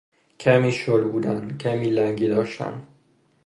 کمی شل بودن، کمی لنگی داشتن